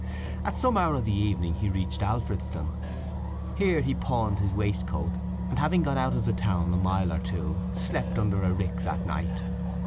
At some hour of the evening he reached Alfredston. Here he pawned his waistcoat, and having gone out of the town a mile or two, slept under a rick that night.